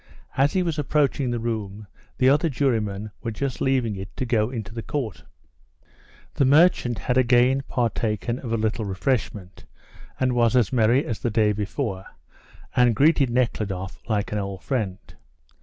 As he was approaching the room, the other jurymen were just leaving it to go into the court. The merchant had again partaken of a little refreshment, and was as merry as the day before, and greeted Nekhludoff like an old friend.